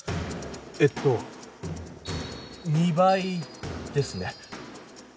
えっと２倍ですね。